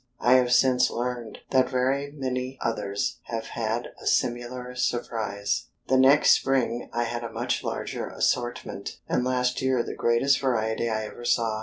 I have since learned that very many others have had a similar surprise. The next spring I had a much larger assortment, and last year the greatest variety I ever saw.